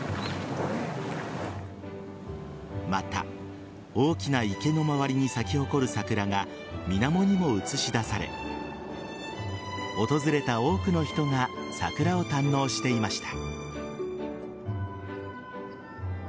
また、大きな池の周りに咲き誇る桜が水面にも映し出され訪れた多くの人が桜を堪能していました。